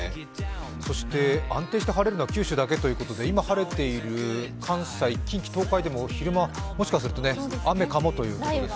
そして、安定して晴れるのは九州だけということで今晴れている関西、近畿・東海でも昼間、もしかすると雨かもということですね。